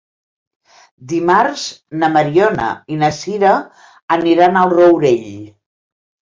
Dimarts na Mariona i na Sira aniran al Rourell.